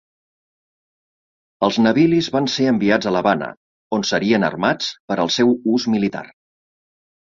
Els navilis van ser enviats a l'Havana, on serien armats per al seu ús militar.